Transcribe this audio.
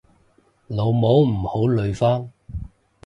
老母唔好呂方